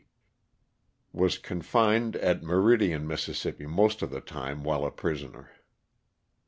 Was confined at Meridian, Miss., most of the time while a prisoner.